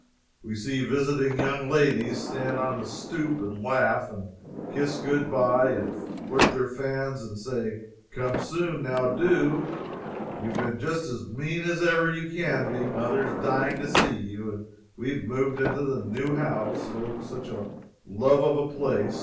We see visiting young ladies stand on the stoop, and laugh, and kiss good bye, and flirt their fans and say "Come soon now do you've been just as mean as ever you can be mother's dying to see you and we've moved into the new house, O such a love of a place!